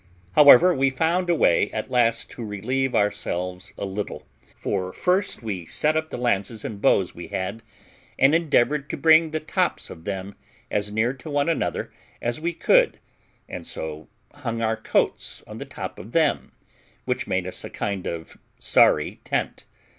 However, we found a way at last to relieve ourselves a little; for first we set up the lances and bows we had, and endeavoured to bring the tops of them as near to one another as we could, and so hung our coats on the top of them, which made us a kind of sorry tent.